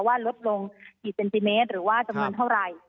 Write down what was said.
ลดลงกี่เซนติเมตรหรือว่าจำนวนเท่าไหร่